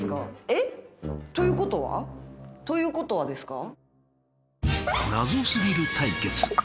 えっ？ということはということはですか？